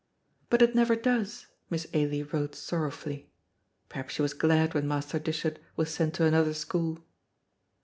"But it never does," Miss Ailie wrote sorrowfully; perhaps she was glad when Master Dishart was sent to another school.